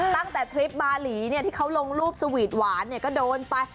ตั้งแต่ทริปบาหลีเขาลงรูปสวีทหวานก็เอาไป